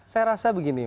saya rasa begini